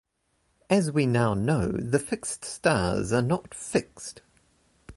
As we now know, the fixed stars are not "fixed".